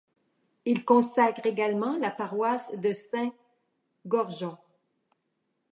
Il consacre également la paroisse de Saint-Gorgon.